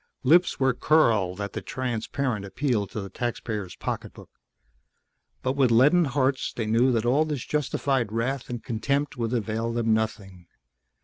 Lips were curled at the transparent appeal to the taxpayer's pocketbook. But with leaden hearts they knew that all this justified wrath and contempt would avail them nothing.